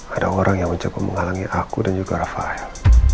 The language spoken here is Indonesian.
ada orang yang mencoba menghalangi aku dan juga rafael